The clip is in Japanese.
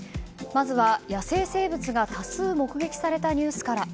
まずは野生生物が多数目撃されたニュースから。